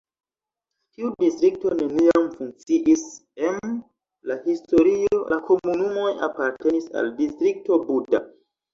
Tiu distrikto neniam funkciis em la historio, la komunumoj apartenis al Distrikto Buda.